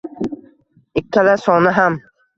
- Ikkala soni ham...